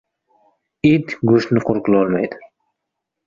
• It go‘shtni qo‘riqlolmaydi.